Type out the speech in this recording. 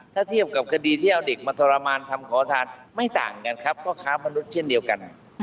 ถ้าเทียบกับคดีที่เอาเด็กมาทรมานทำขอทานไม่ต่างกันครับก็ค้ามนุษย์เช่นเดียวกัน